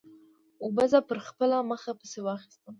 اوبو زه پر خپله مخه پسې واخیستم.